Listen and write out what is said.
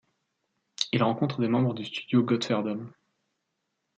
Il rencontre des membres du studio Gottferdom.